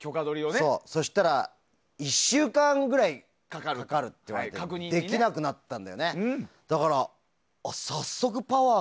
そしたら１週間ぐらいかかるって言われてできなくなったんだよね。